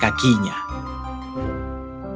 kau akan menari dengan baik